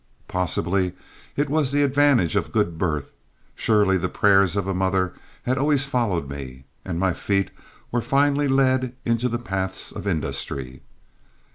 Possibly it was the advantage of good birth; surely the prayers of a mother had always followed me, and my feet were finally led into the paths of industry.